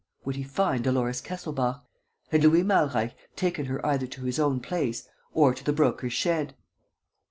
Would he find Dolores Kesselbach? Had Louis de Malreich taken her either to his own place or to the Broker's shed?